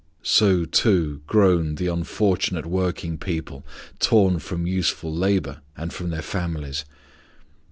So, too, groan the unfortunate working people torn from useful labor and from their families.